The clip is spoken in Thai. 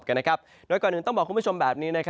โดยก่อนอื่นต้องบอกคุณผู้ชมแบบนี้